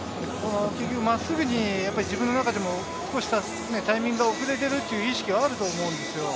結局、真っすぐに自分の中でも少しタイミングが遅れてるって意識があると思うんですよ。